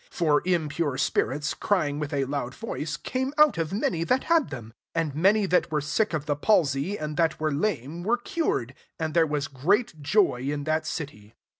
7 For impure spirita, crying with a loud voice, came out d many that had them : and many that were sick of the palsy* anl that were lame, were cured, fl And there was great joy in that city.